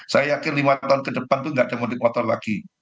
saya yakin lima tahun ke depan itu tidak ada mudik motor lagi